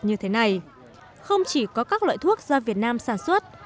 như thế này không chỉ có các loại thuốc do việt nam sản xuất